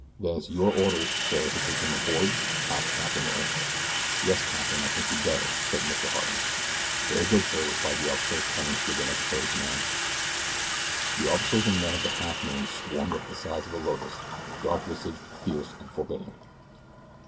"Then it's your orders, sir, to take them aboard?" asked Captain Norris. "Yes, Captain, I think you'd better," said Mr. Harding. "Very good, sir," replied the officer, turning to give the necessary commands. The officers and men of the Halfmoon swarmed up the sides of the Lotus, dark visaged, fierce, and forbidding.